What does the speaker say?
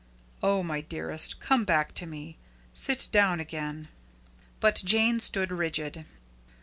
Oh, my dearest come back to me. Sit down again." But Jane stood rigid.